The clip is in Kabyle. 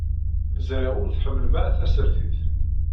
Ẓriɣ ur tḥemmlem ara tasertit.